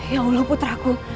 ya allah putraku